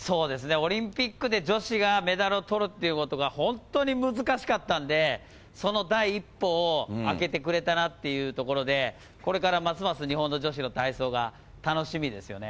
オリンピックで女子がメダルをとるってことが本当に難しかったんで、その第一歩をあけてくれたなっていうところで、これからますます日本の女子の体操が楽しみですよね。